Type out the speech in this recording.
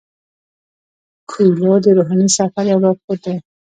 کویلیو د روحاني سفر یو لارښود دی.